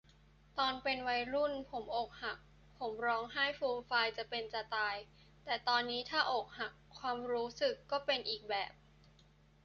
ตอนเป็นวัยรุ่นผมอกหัก ผมร้องไห้ฟูมฟายจะเป็นจะตาย แต่ตอนนี้ถ้าอกหัก ความรู้สึกก็เป็นอีกแบบ